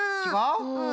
うん。